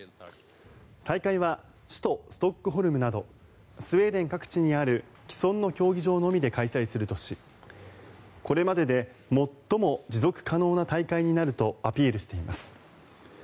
大会は首都ストックホルムなどスウェーデン各地にある既存の競技場のみで開催するとしこれまでで最も持続可能な大会になるとアピールしています。